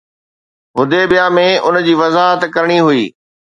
حديبيه ۾ ان جي وضاحت ڪرڻي هئي